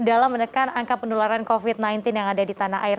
dalam menekan angka penularan covid sembilan belas yang ada di tanah air